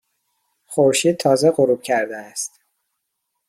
خورشید تازه غروب کرده است.